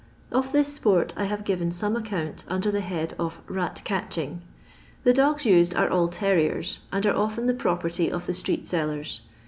Of this sport I hare given some account under the head of rat«atehing. The dogs used are all terriers, and are often the pixipeitj of the street sellers.